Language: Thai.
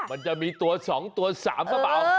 มันจะมีตัวสองตัวสามก็เปล่า